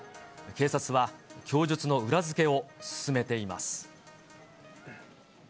警察は、供述の裏付けを進めています。